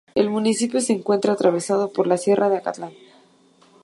El municipio se encuentra atravesado por la sierra de Acatlán.